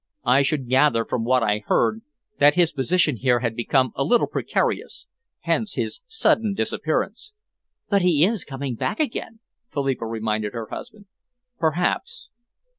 "I should gather, from what I heard, that his position here had become a little precarious. Hence his sudden disappearance." "But he is coming back again," Philippa reminded her husband. "Perhaps!"